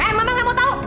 eh mama gak mau tau